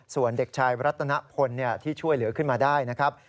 ส่วนเด็กชายรัตนพลที่ช่วยเหลือขึ้นมาได้นะครับ